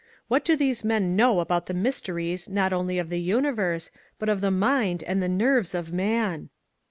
What do these men know about the mysteries not only of the universe but of the mind and the nerves of man